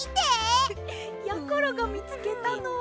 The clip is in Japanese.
やころがみつけたのは。